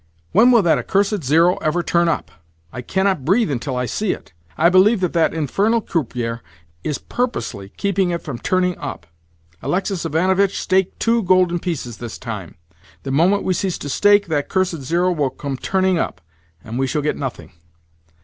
"When will that accursed zero ever turn up? I cannot breathe until I see it. I believe that that infernal croupier is purposely keeping it from turning up. Alexis Ivanovitch, stake TWO golden pieces this time. The moment we cease to stake, that cursed zero will come turning up, and we shall get nothing."